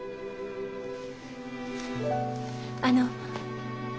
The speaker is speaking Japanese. あの。